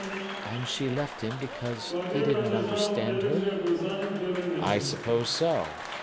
"And she left him because he didn't understand her?" "I suppose so.